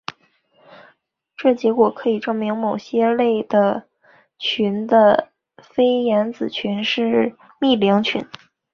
这结果可以证明某些类的群的菲廷子群是幂零群。